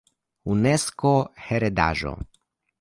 Unesko heredaĵo